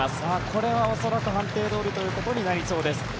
これは恐らく判定どおりということになりそうです。